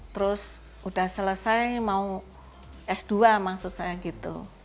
terus udah selesai mau s dua maksud saya gitu